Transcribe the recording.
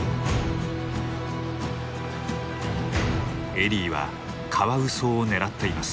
エリーはカワウソを狙っています。